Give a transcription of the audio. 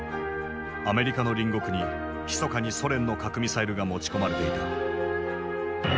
アメリカの隣国にひそかにソ連の核ミサイルが持ち込まれていた。